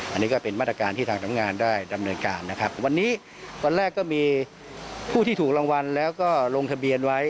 อันนี้ก็เป็นมาตรการที่ทางทำงานได้ดำเนินการนะครับวันนี้วันแรกก็มีผู้ที่ถูกรางวัลแล้วก็ลงทะเบียนไว้